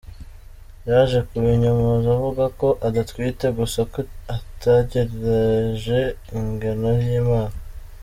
Yaje kubinyomoza avuga ko adatwite ‘gusa ko ategereje igeno ry’Imana’.